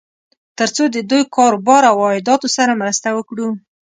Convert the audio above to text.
تر څو د دوی کار و بار او عایداتو سره مرسته وکړو.